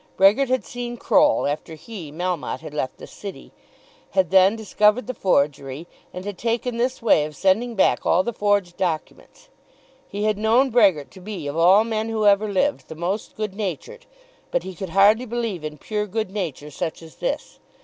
Brehgert had seen Croll after he, Melmotte, had left the City, had then discovered the forgery, and had taken this way of sending back all the forged documents. He had known Brehgert to be of all men who ever lived the most good natured, but he could hardly believe in pure good nature such as this.